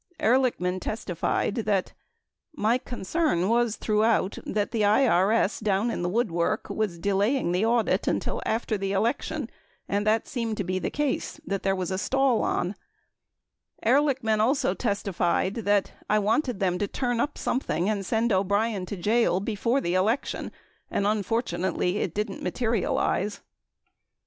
Ehrlichman testified that : My concern was throughout, that the IRS down in the woodwork was delaying the audit until after the election and that seemed to be the case, that there was a stall 0 n 28 Ehrlichman also testified that "I wanted them to turn up some thing and send [O'Brien] to jail before the election and unfortunately it didn't materialize."